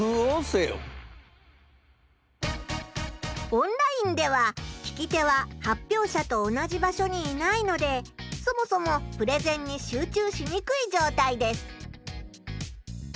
オンラインでは聞き手は発表者と同じ場所にいないのでそもそもプレゼンに集中しにくいじょうたいです。